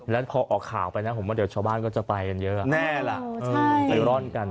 แล้วพอออกข่าวไปนะเดี๋ยวชาวบ้านก็จะไปกันเยอะ